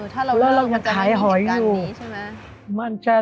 ถ้าเราเลิกมันจะมีเหตุการณ์นี้ใช่ไหม